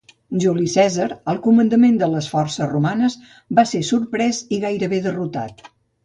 Juli Cèsar, al comandament de les forces romanes, va ser sorprès i gairebé derrotat.